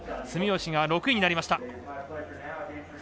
住吉が６位になりました。